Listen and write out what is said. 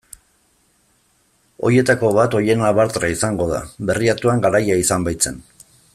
Horietako bat Oihana Bartra izango da, Berriatuan garaile izan baitzen.